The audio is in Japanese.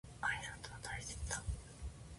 挨拶は大切だ。